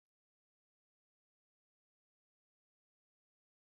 هغه غواړي له اومو موادو څخه توکي تولید کړي